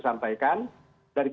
ini adalah hal yang harus disampaikan